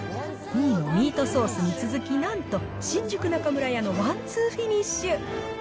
２位のミートソースに続き、なんと新宿中村屋のワンツーフィニッシュ。